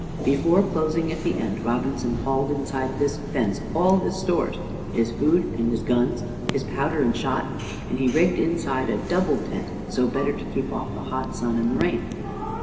Before closing up the end, Robinson hauled inside this fence all his stores, his food and his guns, his powder and shot, and he rigged inside a double tent, so better to keep off the hot sun and the rain.